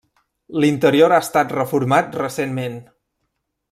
L'interior ha estat reformat recentment.